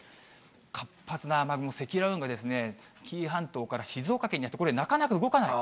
活発な雨雲、積乱雲がですね、紀伊半島から静岡県にあって、なかなかこれ、動かない。